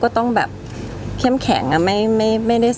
ส่วนตัวเรามองว่าอย่างไร